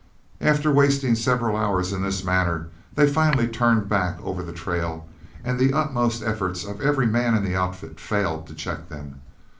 After wasting several hours in this manner, they finally turned back over the trail, and the utmost efforts of every man in the outfit failed to check them.